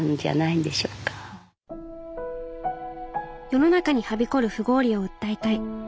世の中にはびこる不合理を訴えたい。